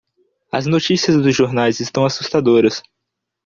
as notícias dos jornais estão assustadoras